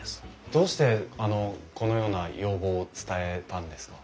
どうしてこのような要望を伝えたんですか？